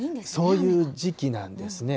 そういう時期なんですね。